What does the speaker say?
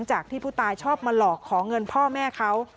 จากที่ผู้ตายชอบมาหลอกขอเงินพ่อแม่เขา